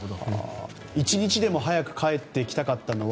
一日でも早く帰ってきたかったのは